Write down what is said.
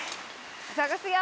探すよ！